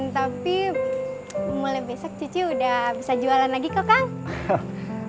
tapi mulai besok cici udah bisa jualan lagi kok kang